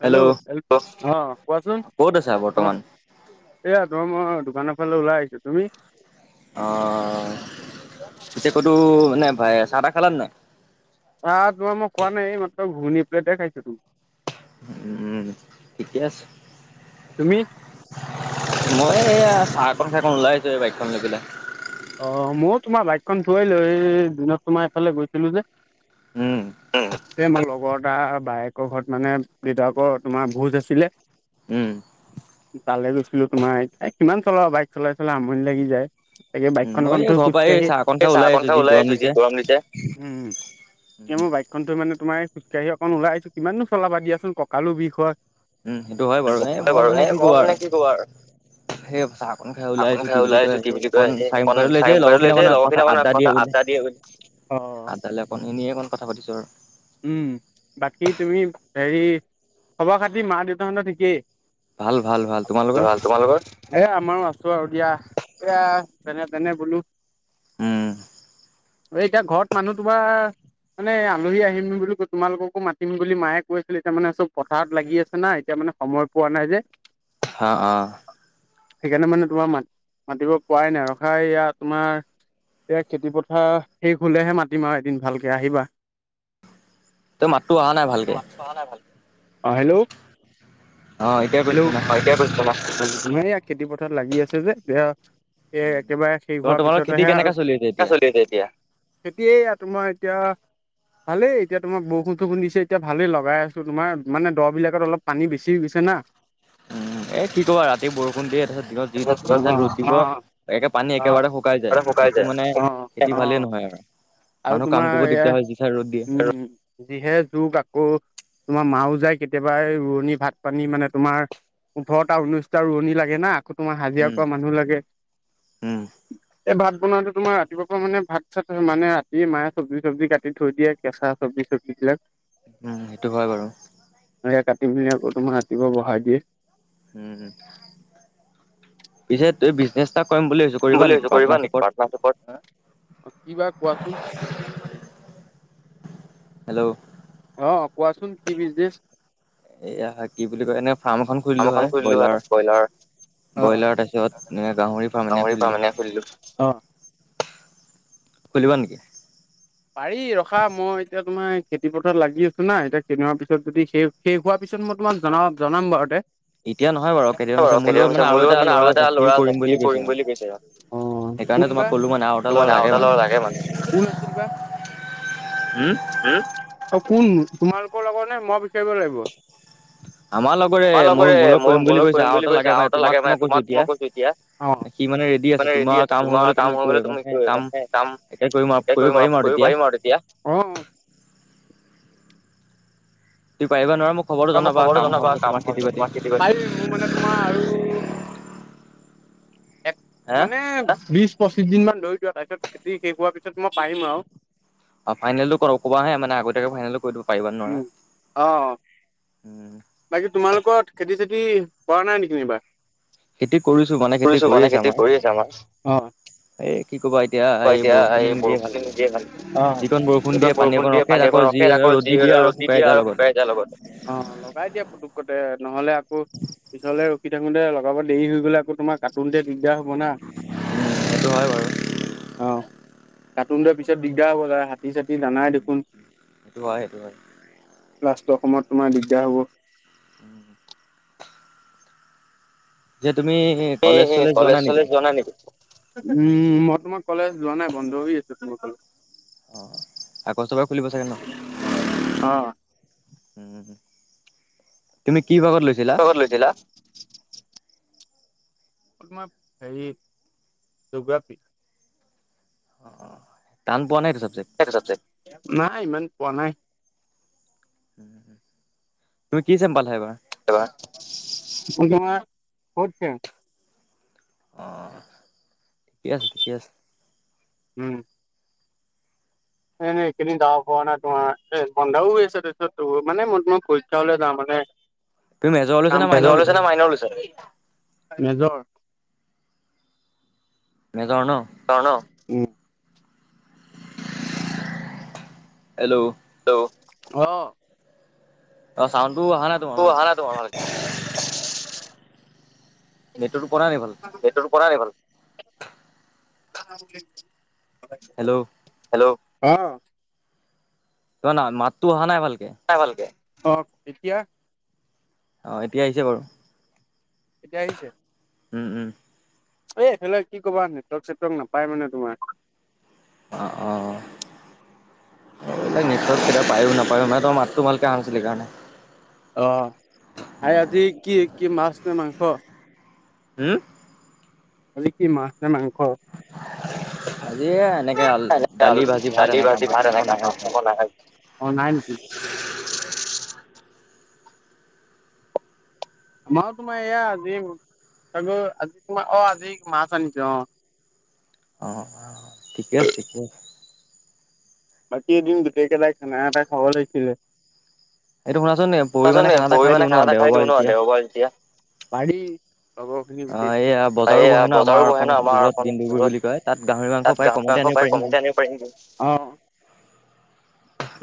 Hello. অ' কোৱাচোন ন এয়া তোম মই দোকানৰ ফালে ওলাই আহিছোঁ তুমি? অ' পিছে ক'তো নে ভা চাহ তাহ খালানে নাই? চাহ তোমাৰ মই খোৱা নাই, এইমাত্ৰ ঘুগ্নি এক প্লেটে খাইছোঁ। উম, ঠিকে আছে। তুমি? মই এয়া চাহকন খাই কন ওলাই আহিছোঁ এই বাইকখন লৈ পেলাই। অ' ময়ো তোমাৰ বাইকখন থোৱাই লৈ দিনত তোমাৰ এইফালে গৈছিলো যে। উ। মোৰ লগৰ এটা বায়েকৰ ঘৰত মানে দেউতাক তোমাৰ ভোজ আছিলে। উম। তালৈ গৈছিলো তোমাৰ, কিমান চলা, বাইক চলাই চলাই আমনি লাগি যায়। উ, মই এই ঘৰৰপৰা এই চাহকন খাই ওলাই আহিছোঁ, যি গৰম দিছে। এ, মোৰ বাইকখন থৈ মানে তোমাৰ খোজকাঢ়ি অকন ওলাই আহিছোঁ, কিমাননো চলাবা দিয়াচোন, ককালো বিষ হয়। উম, সেইটো হয় বাৰু। এই মই মানে কি কবা আৰু সেই চাহকন খাই ওলাই আহিছোঁ, কি বুলি কয় এই অকণ চাৰি মুখাটো লৈ আহিছে, লগৰখিনি অকণ কথা আড্ডা দিয়ে বোলে। তালে অকণ, এনেই অকণ কথা পাতিছোঁ আৰু। উম, বাকী তুমি হেৰি খবাৰ খাতিৰ মা দেউতাহঁতৰ ঠিকেই? ভাল। তোমালোকৰ? এ, আমাৰো আছোঁ আৰু এতিয়া এয়া যেনেতেনে বোলো। উম। অ' এতিয়া ঘৰত মানুহ তোমাৰ মানে আলহী আহিম বুলি কৈ, তোমালোককো মাতিম বুলি মায়ে কৈ আছিলে, এতিয়া মানে চব পথাৰত লাগি আছে না এতিয়া মানে সময় পোৱা নাই যে। অ', অ'। সেইকাৰণে মানে তোমাৰ মাত মাতিব পৰাই নাই, ৰখা, এইয়া তোমাৰ এতিয়া খেতি পথাৰ শেষ হ'লেহে মাতিম আৰু এদিন ভালকে, আহিবা। তই মাতটো অহা নাই ভালকে। অহা নাই ভালকৈ। অ' হেল্ল', হেল্ল'। অ' এতিয়া কৈছোঁ। সেয়া খেতি পথাৰত লাগি আছে যে, বেয়া এ, একেবাৰে শেষ হোৱাৰ পিছতেহে আৰু, কি চলিছে এতিয়া? খেতিয়ে এ, তোমাৰ এতিয়া ভালেই এতিয়া তোমাৰ বৰষুণ চৰষুণ দিছে, এতিয়া ভালেই লগাই আছোঁ তোমাৰ, মানে দবিলাকত অলপ পানী বেছি হৈ গৈছে না। উ, এ, কি ক'বা ৰাতি বৰষুণ দিয়ে তাৰপিছত যি চাই ৰ'দ দিব। পানী একেবাৰে শুকাই যায়, একো মানে খেতি ভালেই নহয় আৰু। মানুহ কাম কৰিব দিগদাৰ হয়, জিঠাই ৰ'দ দিয়ে। যিহে যুগ, আকৌ তোমাৰ মাঁও যায় কেতিয়াবা, ৰোৱনি ভাত পানী মানে তোমাৰ ওঠৰটা, ঊনৈশটা ৰোৱণি লাগে না, আকৌ তোমাৰ হাজিৰা কৰা মানুহ লাগে এই ভাত বনোৱাটো তোমাৰ, ৰাতিপুৱা মানে ভাত চাত মানে ৰাতিয়ে মায়ে চব্জি চব্জি কাটি থৈ দিয়ে। কেঁচা চবজি চবজি বিলাক উম, সেইটো হয় বাৰু। কাটি মেলি, আকৌ তোমাৰ ৰাতিপুৱা বহাই দিয়ে। উম, পিছে ত বিজনেছ এটা কৰিম বুলি ভাবিছোঁ, কৰিবা নেকি পাৰ্টনাৰশ্বিপত? হেল্ল' অ', কোৱাচোন কি বিজনেচ? এয়া কি বুলি কয়, এনেই ফাৰ্ম এখন খুলিলো হয় ব্ৰইলাৰ ব্ৰইলাৰ পাছত এ, গাহৰি ফাৰ্ম এনে খুলিলোঁ খুলিবা নেকি? পাৰি ৰখা, মই এতিয়া তোমাৰ খেতি পথাৰ লাগি আছোঁ না, এতিয়া কেইদিনমান পিছত যদি সেই শেষ হোৱাৰ পিছত মই তোমাক জনাম জনাম বাৰু দে। বাৰ কেইতি [unintelligible] পিছত মোৰ লগত মানে আৰু এটা ল'ৰা আছে সিও কৰিম বুলি কৈছে আৰু কোন বা, তোমাৰ আত [unintelligible] লগ লে [unintelligible] মানে কোন আছিল বা? উম, উম, আৰু কোন তোমালোকৰ লগত নে মই বিচাৰিব লাগিব? আমাৰ লগৰে মোৰ লগত কৰিম বুলি কৈছে আৰু এটা লাগে মানে তোমাকো মই কৈছোঁ এতিয়া। সি মানে ৰেডি আছে, তোমাৰ কাম হৈ গলে তুমি কৰিব মানে কাম একে কৰিম, কৰিব পাৰিম আৰু তেতিয়া। য়া [unintelligible] তুমি পাৰিবা নোৱাৰা মোক মোক খবৰটো জনাবা, কাম হোৱাৰ [inaudible] মোৰ মানে তোমাৰ আৰু এক মানে বিশ পঁচিশ দিন মান ধৰিছোঁ আৰু, তাৰপিছত খেতি শেষ হোৱাৰ পিছত মই পাৰিম আৰু। অ', ফাইনেলো কৰক'বাহোনে [unintelligible] আগতীয়াক ফাইনেলো কৰি দিওঁ। উম, অ'। উম। বাকী তোমালোকৰ খেতি চেতি কৰা নাই নেকি এইবাৰ? কৰিছোঁ, মানে খেতি কৰি আছে আমাৰ। এতিয়া এই বৰষুণ নিদিয়ে মানে অ', এবাৰ বৰষুণ দিয়ে পানী অকন ৰখে আৰু যি ৰ'দ দি দিয়ে আৰু শুকাই যায় লগতে। লগাই দিয়া পুতুক কটতে ন'হলে আকৌ পিছফলে ৰখি থাকোঁতে, লগাব দেৰি হৈ গ'লে আকৌ তোমাক কাটনতে দিগদাৰ হ'ব ন'। অ', কাটোনতে পিছত দিগদাৰ হ'ব, আৰ, হাতী চাতী জানাই দেখোন। সেইটো হয়, সেইটো হয়। লাষ্টৰ সময়ত তোমাৰ দিগদাৰ হ'ব। যে তুমি তুমি কলেজ চলেজ যোৱা নাই নেকি? উম, মই তোমাৰ কলেজ যোৱা নাই বন্ধ হৈ আছে, তোমাৰ ক অঁ, আগ [unintelligible] বাৰ খুলিব চাগে ন? উম, তুমি কি ভাগত লৈছ লৈছিলা? তোমাৰ হেৰি, জোগ্ৰাফি। অ', টান পোৱা নে এইটো চাবজেক্ট? নাই ইমান পোৱা নাই। তুমি কি চেম পালা এইবাৰ? তমাৰ কতছে [unintelligible] অ', ঠিকে আছে, ঠিকে আছে। উম, এনে এইকেইদিন যাব পৰা নাই, তোমাৰ বন্ধও হৈ আছে। তাৰপিত মানে মই তোমাৰ পৰীক্ষা হলে যাম মানে। কাম মেজৰ লৈছে নে? মাইনৰ লৈছা? মেজৰ মেজৰ ন। তণ [unintelligible] হেল্ল', হেল্ল', ত হ ন তালে [unintelligible] বেতোৰ পৰাই আইভা লাগবো। [inaudible] হেল্ল', হেল্ল', অহ, তোমাৰ মাতো অহা নাই ভালকে। অ, এতিয়া? অ, এতিয়া আহিছে বাৰু। এতিয়া আহিছে? উম, উম, এইফালে কি ক'বা নেটৱৰ্ক-চেটৱৰ্ক নাপাই মানে তোমাৰ। অ, অ, নেটৱৰ্ক কিবা পায়ো নাপায়ো মে তোৰ মাতটো ভালকে আহা নাছিল এইকাৰণে, অ, আ-আজি কি-কি মাছ নে মাংস? হম, আজি কি মাছ নে মাংস? দালি ভাজি ভাত অনেকা মাছ মাংস নালাগে। অ, নাই নেকি? মাই তোমাৰ এয়া আজি চাগে আজি তোমাৰ অ, আজি মাছ আনিছে অ, অ, অ, ঠিকে আছে, ঠিকে আছে। বাকী এদিন গোটেই কেইটাই খানা এটা খাব লাগিছিলে? শুনাচোন পৰহি মানে খানা এটা খাই দিওঁ নহ? দেওবাৰ যেতিয়া পাৰি। এইয়া বজাৰো বহে ন, আমাৰ অসম যুগত তাত, গাহৰি মাংস পায় কম আনিব পাৰিম নেকি?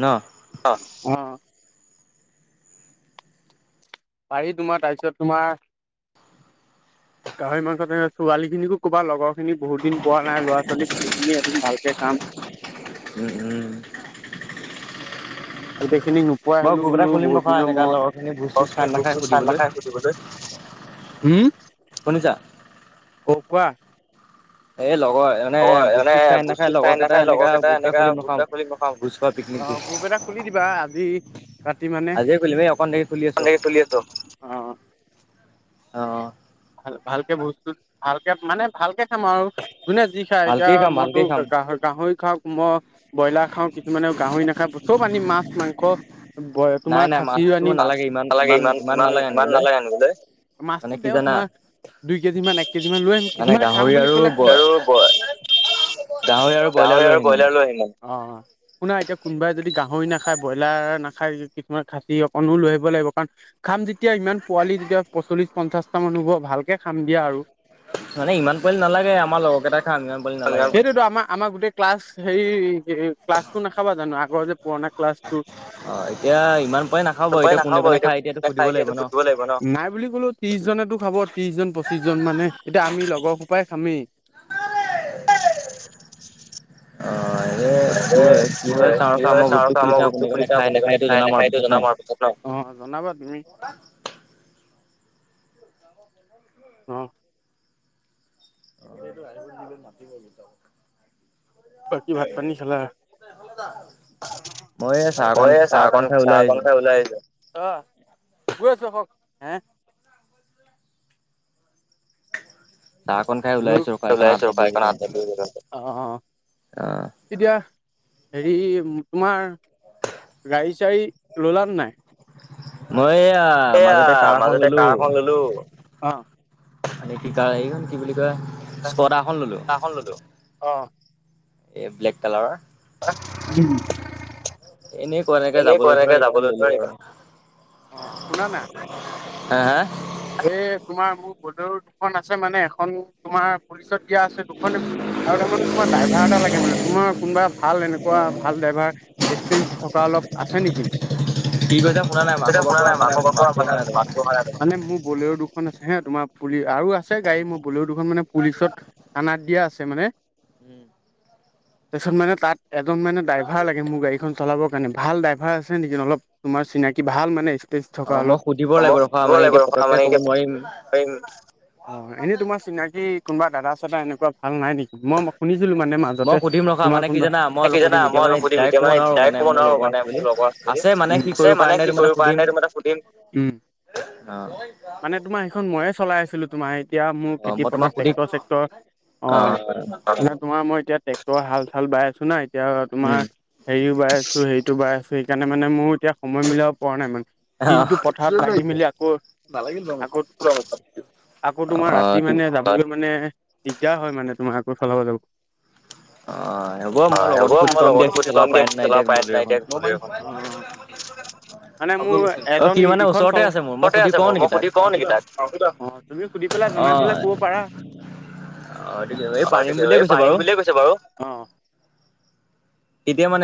ন, অ, পাৰি। তোমাৰ তাৰপিছত তোমাৰ? গাহৰি মাংসৰে ছোৱালীখিনিকো কবা লগৰখিনি বহুত দিন পোৱা নাই, ল'ৰা-ছোৱালী গোটেইখিনি এদিন ভালকে খাম। উম, উম, গোটেইখিনি নোপোৱাই হ'লো বোলো বহুত দিনৰ মূৰত। উম, শুনিছা? অ, কোৱা? এই লগৰ এজ লগৰ এনে ভোজ চুজ চাই নাখাই লগৰ কেইটা এনেকাকে গ্ৰুপ এটা খুলি বনাও অ, গ্ৰুপ এটা খুলি দিবা? আজি ৰাতি মানে? অহ, ভাল-ভালকে বস্তু ভালকে মানে ভালকে খাম আৰু। জোনে যি আচ্ছা, এতিয়া মইতো গাহ-গাহৰি খাও, মই ব্ৰইলাৰ খাও, কিছুমানেও গাহৰি নাখায়। চব আনিম, মাছ মাংস বই তোমাৰ খাচিও আনিম। ইমান-ইমান নালাগে আনিবলে। দুই কেজি মান এক কেজি মান লৈ আহিম কিছুমানে খাম বুলি ক'লে খাম। [unintelligible] গাহৰি আৰু ব্ৰইলাৰ লৈ আহিম। অ' অ'! শুনা এতিয়া, কোনোবাই যদি গাহৰি নাখায়, ব্ৰইলাৰ নাখায়, কিছুমান খাচী অকণো লৈ আহিব লাগিব। কাৰণ, খাম যেতিয়া, ইমান পোৱালি তেতিয়া, চল্লিছ- পঞ্চাছটা মানুহ হ'ব, ভালকৈ খাম দিয়া আৰু। মানে, ইমান ব্ৰইলাৰ নালাগে, আমাৰ লগৰকেইটাৰ কাৰণে। [unintelligible] সেইতোৱেতো, আমাৰ- আমাৰ, গোটেই ক্লাছ হেৰি, এ, সেই ক্লাছটো নাখাবা জানোঁ? আগৰ যে পুৰণা ক্লাছটো। অ'! এতিয়া ইমান বোৰে নাখাওঁ বাৰু। এতিয়া, কোনে-কোনে খায়, এতিয়াতো সুধিব লাগিব ন'? নাই বুলি ক'লেও, ত্ৰিশজনেতো খাব, ত্ৰিশজন- পঁচিশ জন মানে। এতিয়া, আমি লগৰ সোপাই খামেই। [unintelligible] অ'! [unintelligible] কি হয় চাওঁ-চাওঁ, মই গ্ৰুপটো খুলি চাওঁ, কোনে-কোনে খায়, নেখায়তো, সেইটো, জনাম তাৰপিছত ন'। অ'! জনাবা তুমি। অ'! [unintelligible] বাকী, ভাত-পানী খালা? [unintelligible] মই এই, চাহ অকন, চাহ অকন খাই, ওলাই আহিলোঁ। অ'! গৈ আছোঁ, ৰখক। হে? হেল্ল'? ওলাই আহিছোঁ, ৰখা। [unintelligible] অ' অ'! এতিয়া, হেৰি তোমাৰ, গাড়ী-চাড়ী ল'লা নাই? মই এইয়া, মাজতে কাৰ এখন ললোঁ। এই, কি কয়, কি বুলি কয়! স্কডা এখন ললোঁ। এখন ললোঁ। অ'! এ, ব্লেক কালাৰৰ। [unintelligible] এনে, কৈ থাকে, যাবলৈ ধৰ, সেইকাৰণে ললোঁ আৰু। [unintelligible] হা, হা? এই, তোমাৰ মোৰ, [unintelligible] খন আছে, মানে। এখন তোমাৰ পুলিচত দিয়া আছে, দুখন আৰু তাৰমানে, তোমাৰ ড্ৰাইভাৰ এটা লাগে মানে, তোমাৰ কোনোবা ভাল এনেকুৱা, ভাল ড্ৰাইভাৰ। এক্সপেৰিয়েঞ্চ থকা অলপ আছে, নেকি? তেতিয়া শুনা নাই। [unintelligible] মানে মোৰ, বলেৰ' দুখন আছেহে। তোমাৰ পুলি, আৰু আছে গাড়ী মোৰ, বলেৰ' দুখন মানে, পুলিচত থানাত দিয়া আছে, মানে। উম! তাৰপিছত মানে, তাত এজন মানে, ড্ৰাইভাৰ লাগে, মোৰ গাড়ীখন চলাবৰ কাৰণে। ভাল ড্ৰাইভাৰ আছে নেকি? অলপ তোমাৰ চিনাকি, ভাল মানে [unintelligible] থকা অলপ। দিব লাগিব ৰখা। মানে, এতিয়া মানে, এতিয়া [unintelligible] এনেই, তোমাৰ চিনাকি কোনোবা দাদা-চাদা এনেকুৱা ভাল নাই, নেকি? মই শুনিছিলোঁ! মানে মাজতে, তোমাৰ কোনোবা, এই কি জানা! মই অলপ সুধিম এতিয়া। মানে, [unintelligible] [unintelligible] আছে মানে। সি কৰিব পাৰে নোৱাৰে, সেইটো মানে সুধিম। [unintelligible] অ'! মানে তোমাৰ, সেইখন মইয়ে চলাই আছিলোঁ, তোমাৰ এই, এতিয়া মোৰ, খেতি পথাৰত ট্ৰেক্টৰ-চেক্টৰ, অ'! তোমাৰ মই, এতিয়া তই হাল-চাল বাই আছ না, এতিয়া? তোমাৰ হেৰিও বাই আছোঁ, হেৰিটো বাই আছোঁ। সেইকাৰণে মানে, মোৰো এতিয়া সময় মিলাব পৰা নাই, মানে। দিনটো পথাৰত লাগি-মেলি আকৌ, আকৌ, আকৌ তোমাৰ ৰাতি মানে, যাব। এইটো মানে, দিগদাৰ হয় মানে, তোমাৰ আকৌ চলাবলে। হয়! হ'ব মই, লগৰটোক সুধি কম দিয়া। চলাব পাৰে নোৱাৰে, এতিয়া বলেৰ' খন। মানে, মোৰ এজন, ইখন চলাই, ওচৰতে আছে। ভবক সুধি কওঁ নেকি তাক, অ', তুমি সুধি পেলাই জনাই পেলাই কব পাৰা। অ', এই পাৰিম বুলিয়ে কৈছে বাৰু। বাৰু, অ',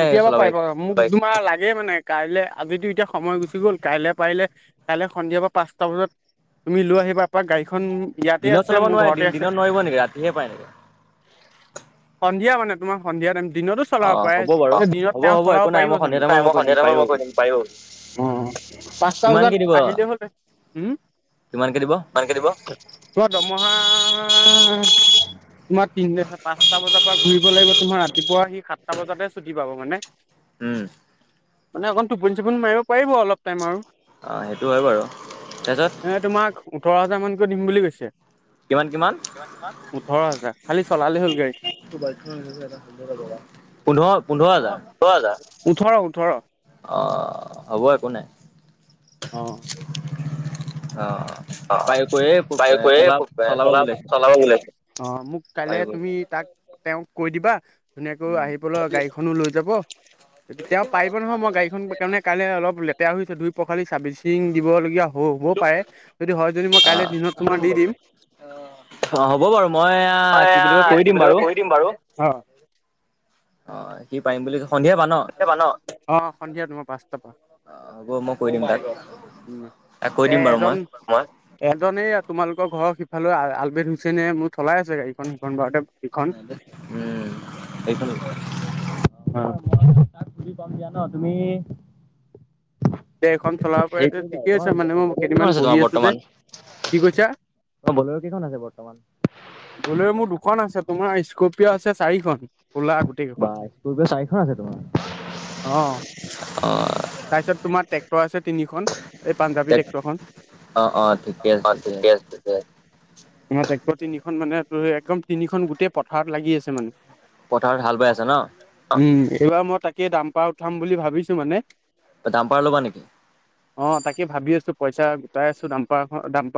কেতিয়াবা পাৰিব মোক তোমাৰ লাগে মানে কাইলৈ আজিতো এতিয়া সময় গুচি গল কাইলে পাৰিলে কাইলৈ সন্ধিয়াৰ পৰা পাঁচটা বজাত তুমি লৈ আহিবা এপাক গাড়ীখন দিনত চলাব নোৱাৰে দিনত নোৱাৰিব নেকি ৰাতিহে পাৰে নেকি? সন্ধিয়া মানে তোমাৰ সন্ধিয়া টাইম দিনতো চলাব পাৰে দিনত তেওঁ চলাব পাৰিব জানো? সন্ধিয়া টাইমত মই কই দিম পাৰিব সি অ', পাঁচটা বজাত আহিলে হ'লে। উম, তোমাৰ দৰমহা তোমাৰ তিনি পাঁচটা বজাৰ পৰা ঘূৰিব লাগিব তোমাৰ ৰাতিপুৱা সি সাতটা বজাতে ছুটি পাব মানে। উম, মানে অকণ টোপনি চোপনি মাৰিব পাৰিব অলপ টাইম আৰু। অ', সেইটো হয় বাৰু তাৰপিছত এ তোমাক ওঠৰ হাজাৰ মানকৈ দিম বুলি কৈছে। কিমান কিমান? কিমান - কিমান, ওঠৰ হাজাৰ খালি চলালে হল গাড়ী। পোন্ধৰ - পোন্ধৰ হেজাৰ অ দাদা, ওঠৰ - ওঠৰ। অ', হ'ব একো নাই। অ', অ', অ', বাই [unintelligible] অ', মোক কাইলে তুমি তাক তেওঁক কৈ দিবা ধুনীয়াকৈ আহি পেলাই গাড়ীখনো লৈ যাব। তেওঁ পাৰিব নহয় মই গাড়ীখন কাৰণে কাইলৈ অলপ লেতেৰা হৈ হৈছে ধই পখালি চাৰ্ভিচিং দিবলগীয়া হ' হ' পাৰে যদি হয় যদি মই কাইলে দিনত তোমাৰ দি দিম। অ', হ'ব বাৰু মই কি বুলি কয় কৰি দিম বাৰু। বাৰু অ', অ', সি পাৰিম বুলি কৈ অ', সন্ধিয়া তোমাৰ পাঁচটা পৰা। অ', হ'ব মই কৈ দিম তাক, তাক কৈ দিম বাৰু মই। এজনেই তোমালোকৰ ঘৰৰ সিফালে আলবেদ হুছেইনে মোৰ চলাই আছে গাড়ীখন সিখন বাৰতে উম, সেই তাক বুজি পাম দিয়া ন' তুমি সেইটো তোমাৰ [unintelligible] কিমান আছে তোমাৰ বৰ্তমান? অ', বলেৰ' কেইখন আছে বৰ্তমান? ব'লেৰ' মোৰ দুখন আছে তোমাৰ স্কৰপিঅ' আছে চাৰিখন, কোলা গোটেই কেইখন। বাইছ, স্কৰপিঅ' চাৰিখন আছে তোমাৰ। অ', অ', তাৰপিছত তোমাৰ ট্ৰেক্টৰ আছে তিনিখন। এই পাঞ্জাবী ট্ৰেক্টৰখন। ঠিকে আছে, মানে তিনিখন মানে একদম তিনিখন গোটেই পথাৰত লাগি আছে মানে। পথাৰত হাল বাই আছে ন'? উম, এইবাৰ মই তাকেই দামপাৰ উঠাম বুলি ভাবিছোঁ মানে। দামপাৰ ল'বা নেকি? অ', তাকে ভাবিছোঁ, পইচা গোটাই আছোঁ দামপাৰ খন দামপাৰ